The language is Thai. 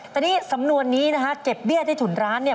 แต่นี่สำนวนนี้นะฮะเก็บเบี้ยใต้ถุนร้านเนี่ย